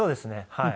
はい。